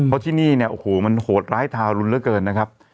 เพราะที่นี่โหมันโหดร้ายทราบลุ้นเกินนะครับ